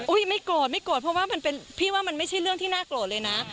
ไม่โกรธไม่โกรธเพราะว่ามันเป็นพี่ว่ามันไม่ใช่เรื่องที่น่าโกรธเลยนะ